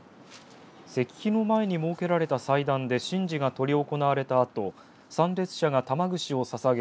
石碑の前に設けられた祭壇で神事が執り行われたあと参列者が玉串をささげ